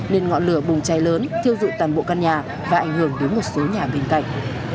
nên ngọn lửa bùng cháy lớn thiêu dụi toàn bộ căn nhà và ảnh hưởng đến một số nhà bên cạnh